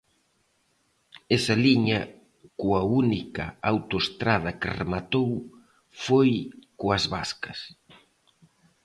Esa liña, coa única autoestrada que rematou, foi coas vascas.